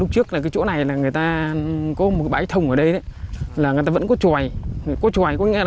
trước là cái chỗ này là người ta có một bãi thông ở đây đấy là người ta vẫn có tròi có tròi có nghe là